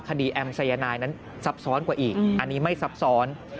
แอมสายนายนั้นซับซ้อนกว่าอีกอันนี้ไม่ซับซ้อน